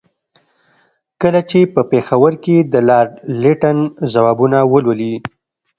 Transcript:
کله چې په پېښور کې د لارډ لیټن ځوابونه ولولي.